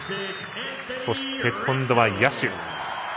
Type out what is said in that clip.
そして、今度は野手。